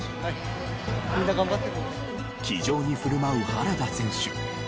気丈に振る舞う原田選手。